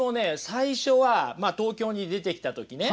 最初は東京に出てきた時ね